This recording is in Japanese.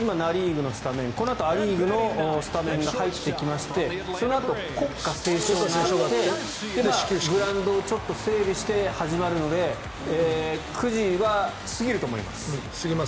今、ナ・リーグのスタメンこのあとア・リーグのスタメンが入ってきましてそのあと国歌斉唱があってグラウンドをちょっと整備して始まるので９時は過ぎると思います。